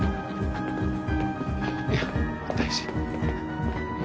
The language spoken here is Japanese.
いや大臣。